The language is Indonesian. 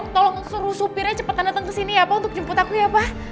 tolong suruh supirnya cepetan datang kesini ya pak untuk jemput aku ya pak